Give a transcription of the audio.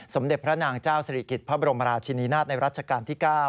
สมเด็จพระนางเจ้าศิริกิจพระบรมราชินีนาฏในรัชกาลที่๙